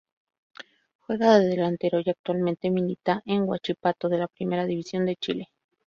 Juega de Delantero y actualmente milita en Huachipato de la Primera Division de Chile.